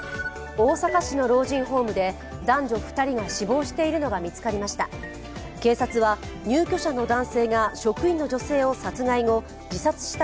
大阪市の老人ホームで男女２人が死亡しているのが見つかりました。